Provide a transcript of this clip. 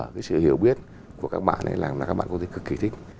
cái sự hiểu biết của các bạn ấy là các bạn quốc tế cực kỳ thích